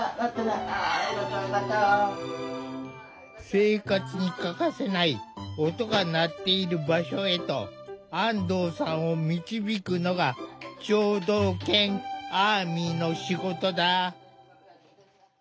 生活に欠かせない「音」が鳴っている場所へと安藤さんを導くのが聴導犬アーミの仕事だ。